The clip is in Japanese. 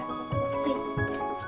はい。